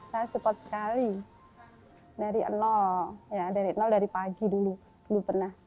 saya support sekali dari nol dari pagi dulu